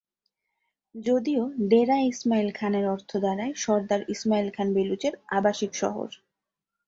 যদিও ডেরা ইসমাইল খান এর অর্থ দাড়ায় সরদার ইসমাইল খান বেলুচ এর আবাসিক শহর।